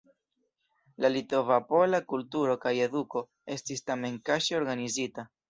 La Litova-Pola kulturo kaj eduko estis tamen kaŝe organizita.